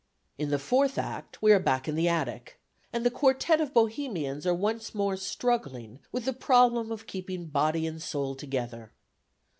In the fourth Act we are back in the attic; and the quartet of Bohemians are once more struggling with the problem of keeping body and soul together.